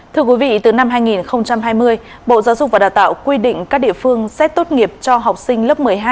thưa quý vị từ năm hai nghìn hai mươi bộ giáo dục và đào tạo quy định các địa phương xét tốt nghiệp cho học sinh lớp một mươi hai